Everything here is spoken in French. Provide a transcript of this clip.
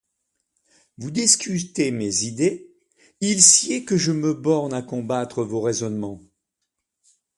Vous discutez mes idées, il sied que je me borne à combattre vos raisonnements.